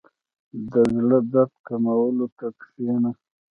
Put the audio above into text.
• د زړۀ د درد کمولو ته کښېنه.